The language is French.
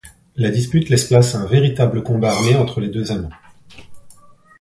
La dispute laisse place à un véritable combat armé entre les deux amants.